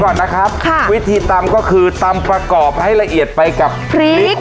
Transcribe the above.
ก่อนนะครับค่ะวิธีตำก็คือตำประกอบให้ละเอียดไปกับพริก